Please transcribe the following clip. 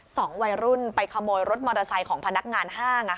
สองวัยรุ่นไปขโมยรถมอเตอร์ไซค์ของพนักงานห้าง